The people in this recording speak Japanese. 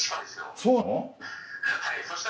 そうなの。